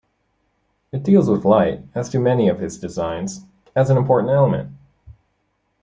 It deals with light, as do many of his designs, as an important element.